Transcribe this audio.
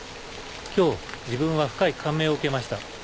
今日自分は深い感銘を受けました。